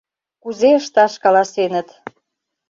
Кузе ышташ каласеныт.